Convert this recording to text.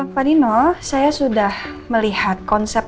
panino saya sudah melihat konsep